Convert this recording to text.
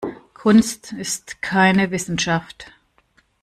Kunst ist keine Wissenschaft.